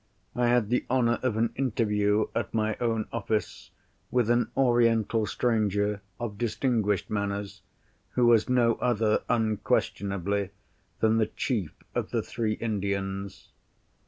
I had the honour of an interview, at my own office, with an Oriental stranger of distinguished manners, who was no other, unquestionably, than the chief of the three Indians.